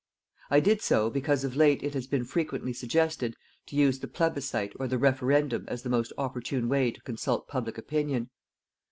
I did so because of late it has been frequently suggested to use the plebiscit or the referendum as the most opportune way to consult public opinion.